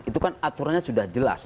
itu kan aturannya sudah jelas